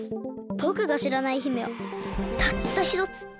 ぼくがしらない姫はたったひとつ。